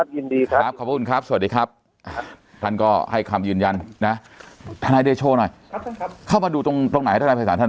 สวัสดีครับท่านก็ให้คำยืนยันท่านายเดชโฮหน่อยเข้ามาดูตรงไหนท่านพริษัท